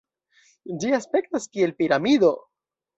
Ĝi aspektas kiel piramido.